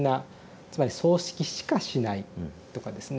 つまり「葬式しかしない」とかですね